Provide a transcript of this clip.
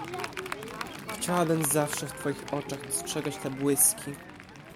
"Chciałabym zawsze w twoich oczach dostrzegać te błyski!"